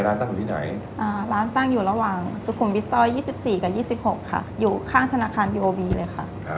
ร้านตั้งอยู่ที่ไหนอ่าร้านตั้งอยู่ระหว่างสุขุมวิทย์ต้อยยี่สิบสี่กับยี่สิบหกค่ะอยู่ข้างธนาคารยูโอวีเลยค่ะอ่า